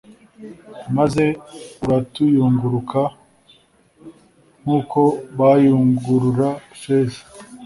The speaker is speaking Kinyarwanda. maze uratuyungurura nk’uko bayungurura feza